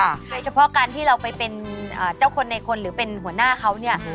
โดยเฉพาะการที่เราไปเป็นเจ้าคนในคนหรือเป็นหัวหน้าเขาเนี่ย